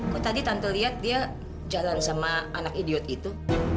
kok tadi tante lihat dia jalan sama anak idiot itu